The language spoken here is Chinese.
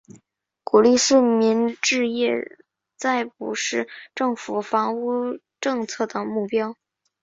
鼓励市民置业再不是政府房屋政策的目标。